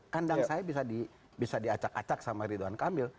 kandang saya bisa diacak acak sama ridwan kamil